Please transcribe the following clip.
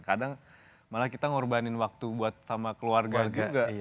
kadang malah kita ngorbanin waktu buat sama keluarga juga